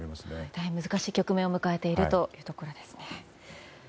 大変難しい局面を迎えているというところですね。